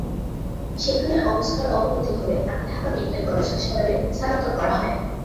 সেখানে অবস্থার অবনতি হলে তাঁকে ঢাকা মেডিকেল কলেজ হাসপাতালে স্থানান্তর করা হয়।